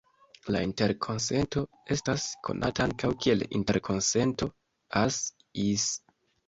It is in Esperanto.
La interkonsento estas konata ankaŭ kiel interkonsento "As-Is".